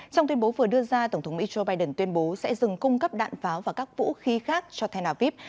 trong tuyên bố vừa đưa ra tổng thống mỹ joe biden tuyên bố sẽ dừng cung cấp đạn pháo và các vũ khí khác cho tel aviv